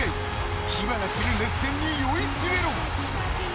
火花散る熱戦に酔いしれろ。